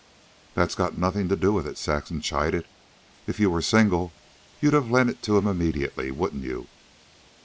"That's got nothing to do with it," Saxon chided. "If you were single you'd have lent it to him immediately, wouldn't you?"